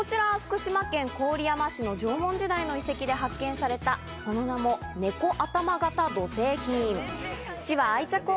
こちら、福島県郡山市の縄文時代の遺跡で発見された、その名もねこ頭形土製品。